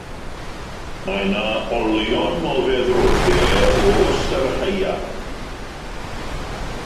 Mae yna olion o feddrodau o Oes yr Haearn.